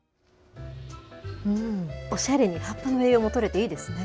おしゃれに葉っぱの栄養もとれていいですね。